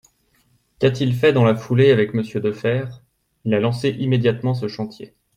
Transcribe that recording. Qu’a-t-il fait dans la foulée avec Monsieur Defferre ? Il a lancé immédiatement ce chantier.